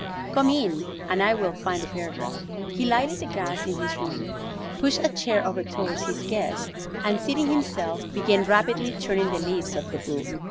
Come in and I will find the paragraph." He lighted the gas in his room, pushed a chair over towards his guest, and, seating himself, began rapidly turning the leaves of the book.